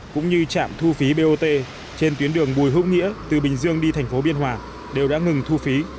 cũng như trạm thu phí bot trên tuyến đường bùi hữu nghĩa từ bình dương đi thành phố biên hòa đều đã ngừng thu phí